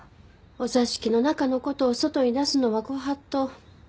お座敷の中の事を外へ出すのはご法度。